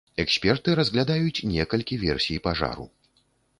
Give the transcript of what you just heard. Эксперты разглядаюць некалькі версій пажару.